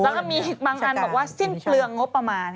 แล้วก็มีบางอันบอกว่าสิ้นเปลืองงบประมาณ